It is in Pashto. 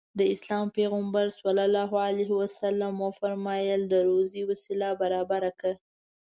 د اسلام پيغمبر ص وفرمايل د روزي وسيله برابره کړه.